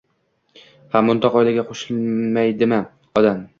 Ha, mundoq oilaga qoʻshilmaydimi odam?